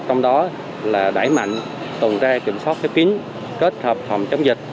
trong đó là đẩy mạnh tuần tra kiểm soát khép kín kết hợp phòng chống dịch